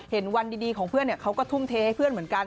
วันดีของเพื่อนเขาก็ทุ่มเทให้เพื่อนเหมือนกัน